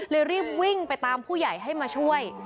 รีบวิ่งไปตามผู้ใหญ่ให้มาช่วย